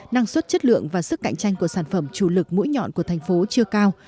năng suất chất lượng và sức cạnh tranh của sản phẩm chủ lực mũi nhọn của thành phố chưa cao